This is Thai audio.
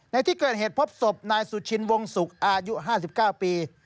ในที่เกิดเหตุพบศพนายสุชินวงศุกร์อายุ๕๙ปี